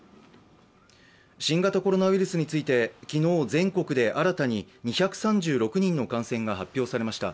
新型コロナウイルスについて昨日、全国で新たに２３６人の感染が発表されました。